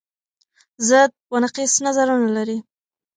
ضد و نقیص نظرونه لري